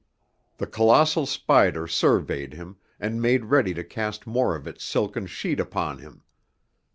The colossal spider surveyed him, and made ready to cast more of its silken sheet upon him.